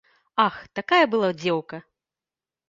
Ах, такая была дзеўка!